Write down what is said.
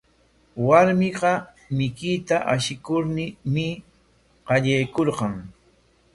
Warmiqa mikuyta ashikurmi qallaykurqan.